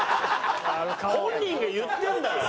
本人が言ってるんだから。